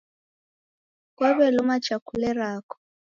Kwaw'eluma chakule rako.